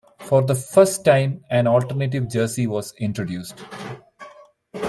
For the first time, an alternative jersey was introduced.